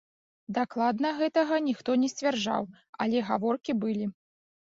Дакладна гэтага ніхто не сцвярджаў, але гаворкі былі.